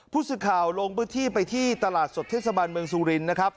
ผู้สื่อข่าวลงพื้นที่ไปที่ตลาดสดเทศบาลเมืองสุรินนะครับ